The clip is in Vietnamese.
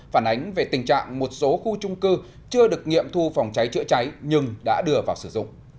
phản ánh về tình trạng một số khu trung cư chưa được nghiệm thu phòng cháy chữa cháy nhưng đã đưa vào sử dụng